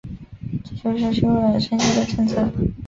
这就是休养生息的政策。